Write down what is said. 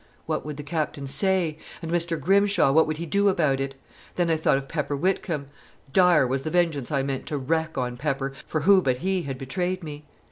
'What would the Captain say? and Mr. Grimshaw, what would he do about it? Then I thought of Pepper Whitcomb. Dire was the vengeance I meant to wreak on Pepper, for who but he had betrayed me?